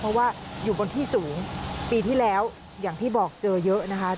เพราะว่าอยู่บนที่สูงปีที่แล้วอย่างที่บอกเจอเยอะนะคะ